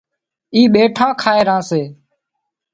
اِي ٻيٺان کائي ران سي